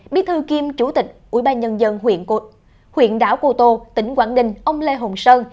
biết thư kiêm chủ tịch ủy ban nhân dân huyện cô tô tỉnh quảng đình ông lê hồng sơn